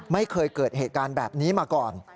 ไม่เคยเกิดเหตุการณ์แบบนี้มาก่อน